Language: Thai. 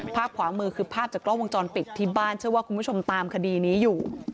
ภาพขวามือคือภาพจากกล้องวงจรปิดที่บ้านเชื่อว่าคุณผู้ชมตามคดีนี้อยู่